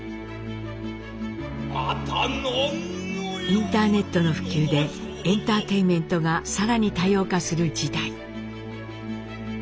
インターネットの普及でエンターテインメントが更に多様化する時代。